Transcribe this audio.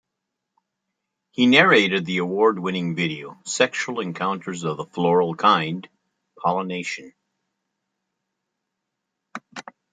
He narrated the award-winning video "Sexual Encounters of the Floral Kind: Pollination".